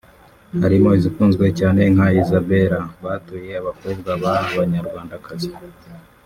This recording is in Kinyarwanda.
harimo izikunzwe cyane nka Isabella(batuye abakobwa ba banyarwandakazi)